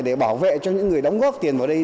để bảo vệ cho những người đóng góp tiền vào đây